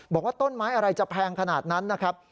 บอกว่าต้นไม้อะไรจะแพงขนาดนั้นนะครับ